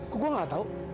kok gue nggak tahu